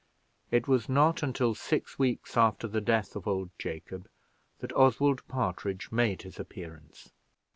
It was not until six weeks after the death of old Jacob that Oswald Partridge made his appearance.